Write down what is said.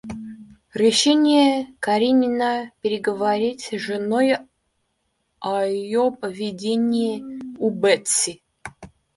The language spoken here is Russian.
Решение Каренина переговорить с женой о ее поведении у Бетси.